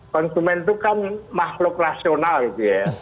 konsumen itu kan makhluk rasional gitu ya